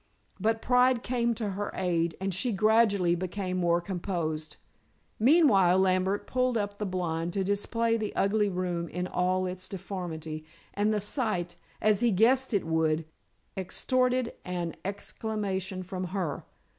But pride came to her aid, and she gradually became more composed. Meanwhile Lambert pulled up the blind to display the ugly room in all its deformity, and the sight as he guessed it would extorted an exclamation from her.